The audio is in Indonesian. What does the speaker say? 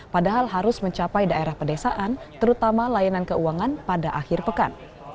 padahal harus mencapai daerah pedesaan terutama layanan keuangan pada akhir pekan